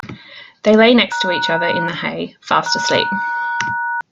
They lay next to each other in the hay, fast asleep.